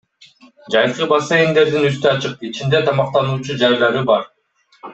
Жайкы бассейндердин үстү ачык, ичинде тамактануучу жайлары бар.